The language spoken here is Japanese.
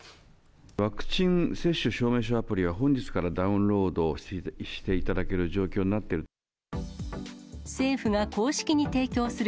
ワクチン接種証明書アプリは、本日からダウンロードをしていただける状況になってる。